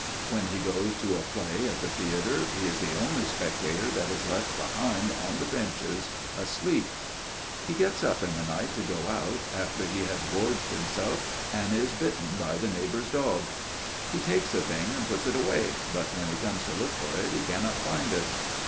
When he goes to a play at the theatre he is the only spectator that is left behind on the benches asleep. He gets up in the night to go out, after he has gorged himself, and is bitten by the neighbor's dog. He takes a thing and puts it away, but when he comes to look for it he cannot find it.